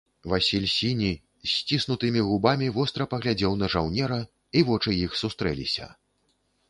Васіль, сіні, з сціснутымі губамі, востра паглядзеў на жаўнера, і вочы іх сустрэліся.